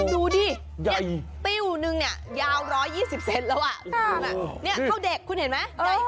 ดูดิเนี่ยติ้วนึงเนี่ยยาว๑๒๐เซนแล้วอ่ะเข้าเด็กคุณเห็นไหม